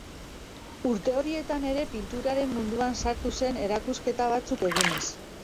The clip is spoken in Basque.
Urte horietan ere pinturaren munduan sartu zen erakusketa batzuk eginez.